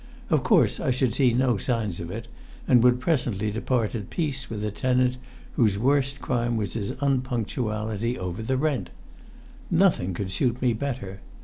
Of course I should see no signs of it, and would presently depart at peace with a tenant whose worst crime was his unpunctuality over the rent. Nothing could suit me better.